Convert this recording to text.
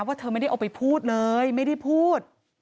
เธอไม่ได้เอาไปพูดเลยไม่ได้พูด